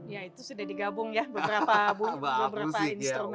ya itu sudah di gabung ya beberapa instrument